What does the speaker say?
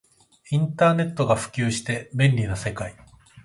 インターネットが普及して便利な世界